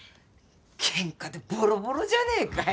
ケンカでボロボロじゃねえかよ。